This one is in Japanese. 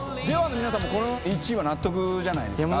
ＪＯ１の皆さんもこの１位は納得じゃないですか？